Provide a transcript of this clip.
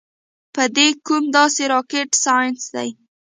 پۀ دې کوم داسې راکټ سائنس دے -